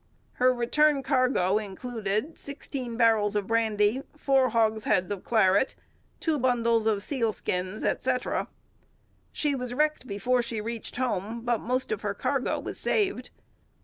Her return cargo included '14 barels of brandy, 4 hogsds of Claret, 2 bondles of syle skins, etc.' She was wrecked before she reached home, but most of her cargo was saved.